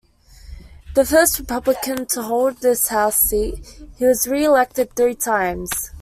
The first Republican to hold this House seat, he was re-elected three times.